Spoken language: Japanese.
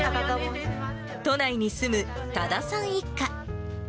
都内に住む多田さん一家。